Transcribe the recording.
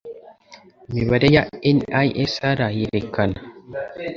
Imibare ya NISR yerekana